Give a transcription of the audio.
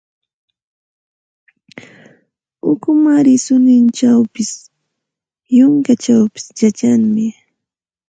Ukumaari suninchawpis, yunkachawpis yachanmi.